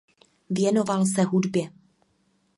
Věnoval se hudbě.